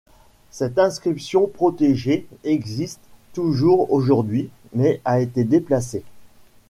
Cette inscription protégée existe toujours aujourd’hui mais a été déplacée.